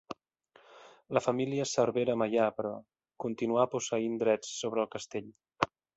La família Cervera-Meià, però, continuà posseint drets sobre el castell.